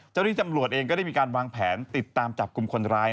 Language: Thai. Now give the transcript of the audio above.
เจ้าหน้าที่จำรวจเองก็ได้มีการวางแผนติดตามจับกลุ่มคนร้าย